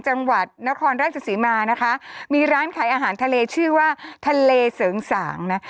จังหวัดนครราชสีมานะคะมีร้านขายอาหารทะเลชื่อว่าทะเลเสริงสางนะ